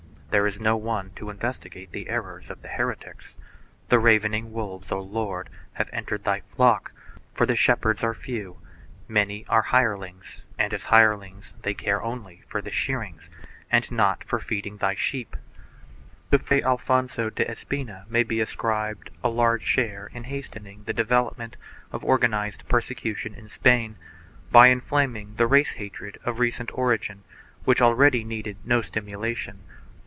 There is no one to invest igate the errors of the heretics. The ravening wolves, 0 Lord, have entered thy flock, for the shepherds are few; many are hirelings and as hirelings they care only for shearing and not for feeding thy sheep."2 To Fray Alonso de Espina may be ascribed a large share in hastening the development of organized persecution in Spain, by inflaming the race hatred of recent origin which already needed no stimulation.